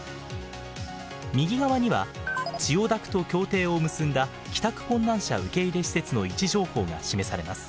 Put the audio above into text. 右側には千代田区と協定を結んだ帰宅困難者受け入れ施設の位置情報が示されます。